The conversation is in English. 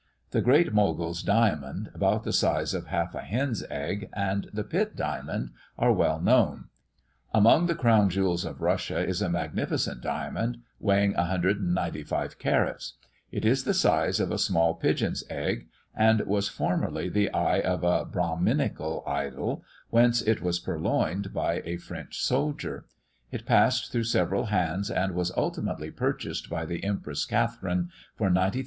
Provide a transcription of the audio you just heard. The Great Mogul's diamond, about the size of half a hen's egg, and the Pitt diamond, are well known. Among the crown jewels of Russia is a magnificent diamond, weighing 195 carats: it is the size of a small pigeon's egg, and was formerly the eye of a Brahminical idol, whence it was purloined by a French soldier; it passed through several hands, and was ultimately purchased by the Empress Catherine, for 90,000l.